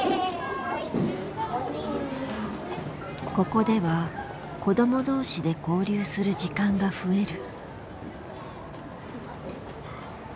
ここでは子ども同士で交流する時間が増える。